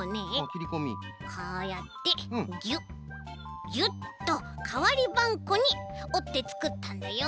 こうやってギュッギュッとかわりばんこにおってつくったんだよ。